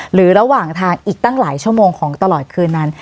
หรือระหว่างทางอีกตั้งหลายชั่วโมงของตลอดคืนนั้น